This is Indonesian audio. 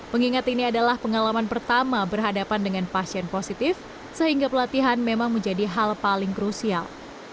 mengingat ini adalah pengalaman pertama berhadapan dengan pasien positif sehingga pelatihan memang menjadi hal paling krusial